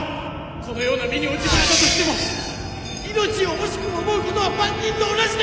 このような身に落ちぶれたとしても命を惜しく思うことは万人と同じでございます！